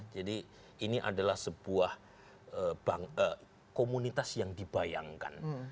jadi ini adalah sebuah komunitas yang dibayangkan